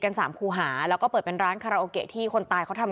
สามครูหาแล้วก็เปิดเป็นร้านคาราโอเกะที่คนตายเขาทำ